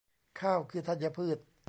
ข้าวคือธัญพืช